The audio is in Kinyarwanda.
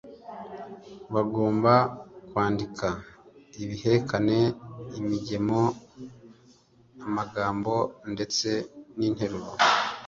bagomba kwandika ibihekane, imigemo, amagambo ndetse n’interuro.